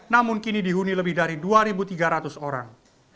namun kini dihuni lebih dari dua tiga ratus orang